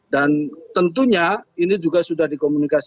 dan tentunya ini juga sudah dikomunikasi